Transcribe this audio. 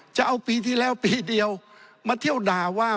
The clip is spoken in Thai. จะเอาปีที่แล้วปีเดียวมาเที่ยวด่าว่า